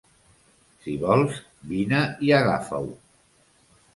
Si vols, vine i agafa-ho.